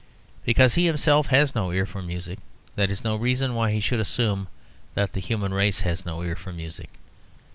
Because he himself has no ear for music, that is no reason why he should assume that the human race has no ear for music.